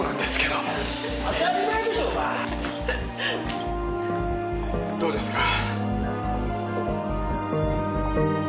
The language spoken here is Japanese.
どうですか？